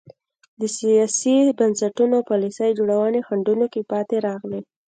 د سیاسي بنسټونو او پالیسۍ جوړونې خنډونو کې پاتې راغلي.